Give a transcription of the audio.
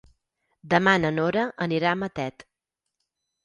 Demà na Nora anirà a Matet.